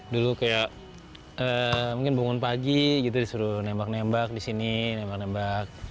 dulu kayak mungkin punggung pagi gitu disuruh nembak nembak disini nembak nembak